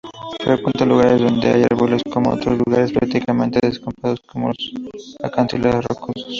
Frecuenta lugares donde hay árboles como otros lugares prácticamente descampados, como los acantilados rocosos.